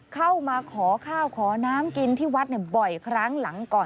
เข้ามาขอข้าวขอน้ำกินที่วัดบ่อยครั้งหลังก่อน